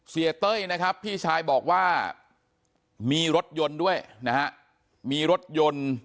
เต้ยนะครับพี่ชายบอกว่ามีรถยนต์ด้วยนะฮะมีรถยนต์